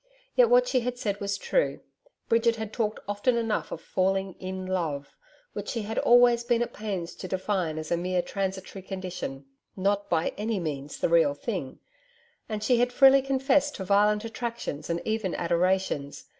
Yet what she had said was true. Bridget had talked often enough of falling 'in love' which she had always been at pains to define as a mere transitory condition not by any means the 'real thing,' and she had freely confessed to violent attractions and even adorations.